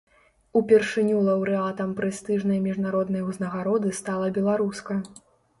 Упершыню лаўрэатам прэстыжнай міжнароднай узнагароды стала беларуска.